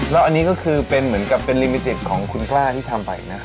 แล้วนี้ก็คือเป็นเหมือนกับเป็นของคุณกล้าที่ทำไปนะคะ